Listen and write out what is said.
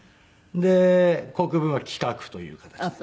で国分は企画という形で。